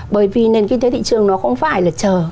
bởi vì nền kinh tế thị trường nó không phải là chờ